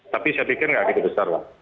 tapi saya pikir tidak begitu besar